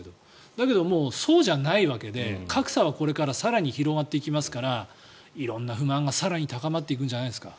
だけどもうそうじゃないわけで格差はこれから更に広がっていきますから色んな不満が更に高まっていくんじゃないですか。